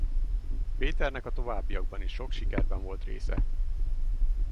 Péternek a továbbiakban is sok sikerben volt része.